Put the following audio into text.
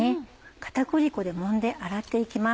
片栗粉でもんで洗って行きます。